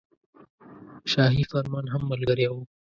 شاهي فرمان هم ملګری وو.